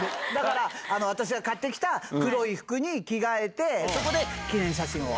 だから、私が買ってきた黒い服に着替えて、そこで記念写真を。